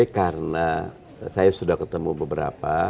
karena saya sudah ketemu beberapa